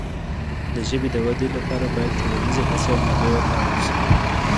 د ژبې د وده لپاره باید ټولنیزې هڅې او منابع وکارول شي.